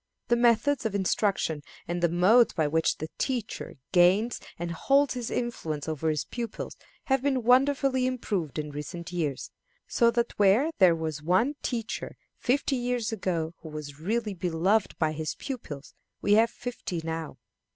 The methods of instruction and the modes by which the teacher gains and holds his influence over his pupils have been wonderfully improved in recent times, so that where there was one teacher, fifty years ago, who was really beloved by his pupils, we have fifty now.